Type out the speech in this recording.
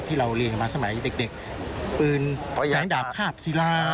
ที่เราเรียนกันมาสมัยเด็กปืนพระยาตาแสงดาบข้าบศิลา